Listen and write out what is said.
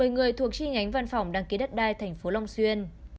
một mươi người thuộc chi nhánh văn phòng đăng ký đất đai tp long xuyên